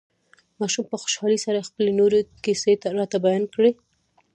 ماشوم په خوشحالۍ سره خپلې نوې کيسې راته بيان کړې.